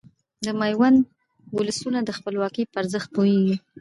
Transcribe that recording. د ميوند ولسونه د خپلواکۍ په ارزښت پوهيږي .